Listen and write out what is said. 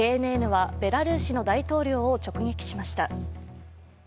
ＪＮＮはベラルーシの大統領を直撃しました。